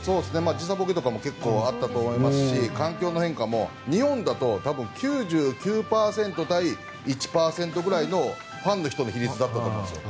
時差ボケとかも結構あったと思いますし環境の変化も日本だと多分９９％対１％くらいのファンの人の比率だったと思いますよ。